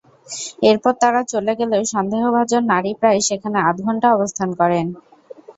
এরপর তাঁরা চলে গেলেও সন্দেহভাজন নারী প্রায় সেখানে আধঘণ্টা অবস্থান করেন।